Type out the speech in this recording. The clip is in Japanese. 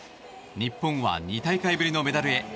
日本は２大会ぶりのメダルへ。